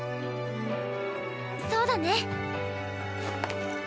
そうだね。